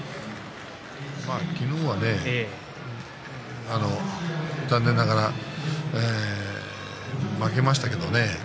昨日は残念ながら負けましたけれどね